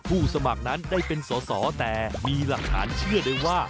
สมัครนั้นได้เป็นสอสอแต่มีหลักฐานเชื่อได้ว่า